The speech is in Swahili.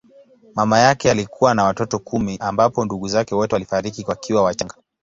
Mama yake alikuwa na watoto kumi ambapo ndugu zake wote walifariki wakiwa wachanga.